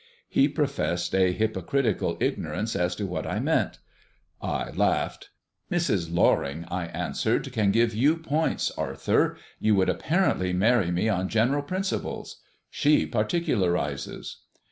He professed a hypocritical ignorance as to whom I meant. I laughed. "Mrs. Loring," I answered, "can give you points, Arthur. You would apparently marry me on general principles. She particularises."